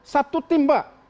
satu tim pak